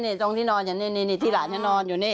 นี่ตรงที่นอนอยู่นี่ที่หลานฉันนอนอยู่นี่